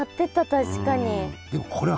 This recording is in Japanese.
確かに。